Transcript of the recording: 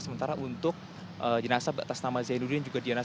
sementara untuk jenazah atas nama zainuddin juga diana